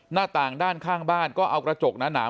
หน้าต่างด้านข้างบ้านก็เอากระจกหนา